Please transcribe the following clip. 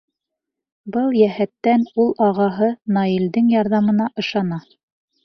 Был йәһәттән ул ағаһы Наилдең ярҙамына ышана.